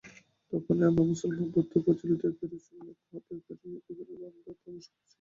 তখনই আমার মুসলমান ভৃত্য প্রজ্জ্বলিত কেরোসিন ল্যাম্প হাতে করিয়া ঘরের মধ্যে প্রবেশ করিল।